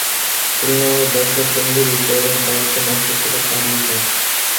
খুলনা ও যশোর কেন্দ্রে বিপ্লবের দায়িত্ব ন্যস্ত ছিল তারই ওপর।